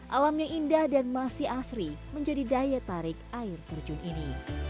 alamnya indah dan masih asri menjadi daya tarik air terjun ini